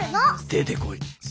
出てこい。